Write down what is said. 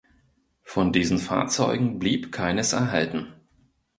Von diesen Fahrzeugen blieb keines erhalten.